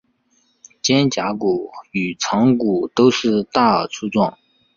肩胛骨与肠骨都是大而粗壮。